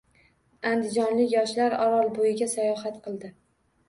Andijonlik yoshlar Orolbo‘yiga sayohat qildi